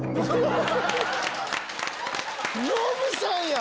ノブさんや。